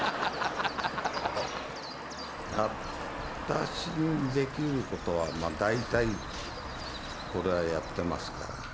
私にできることは、大体、これはやってますから。